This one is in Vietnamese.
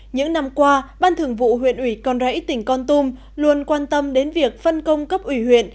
những năm qua ban thường vụ huyện ủy con rẫy tỉnh con tum luôn quan tâm đến việc phân công cấp ủy huyện